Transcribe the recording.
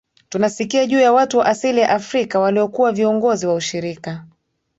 tunasikia juu ya watu wa asili ya Afrika waliokuwa viongozi wa ushirika